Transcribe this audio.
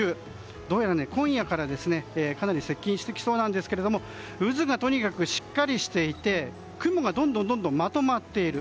どうやら今夜からかなり接近してきそうなんですが渦がとにかくしっかりしていて雲がどんどんまとまっている。